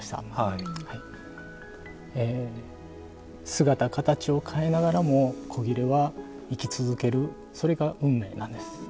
姿形を変えながらも古裂は生き続けるそれが運命なんです。